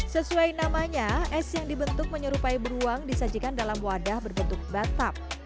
sesuai namanya es yang dibentuk menyerupai beruang disajikan dalam wadah berbentuk batab